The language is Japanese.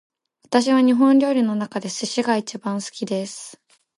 私は日本料理の中で寿司が一番好きです